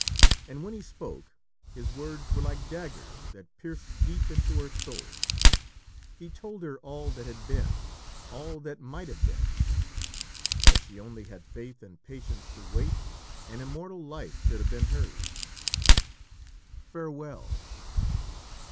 And when he spoke, his words were like daggers that pierced deep into her soul. He told her all that had been, all that might have been. Had she only had faith and patience to wait, an immortal life should have been hers. "Farewell!